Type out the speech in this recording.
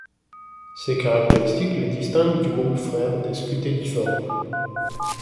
Ces caractéristiques les distinguent du groupe-frère des Scutelliformes.